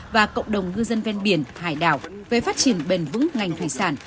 và cộng đồng ngư dân ven biển hải đảo về phát triển bền vững ngành thủy sản